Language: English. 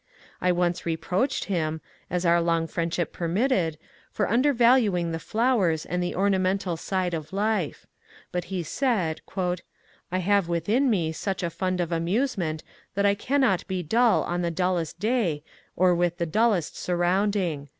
I once reproached him — as our long friendship permitted — for undervaluing the flowers and the ornamental side of life. But he said, '^ I have within me such a fund of amusement that I cannot be dull on the dullest day or with the dullest surrounding.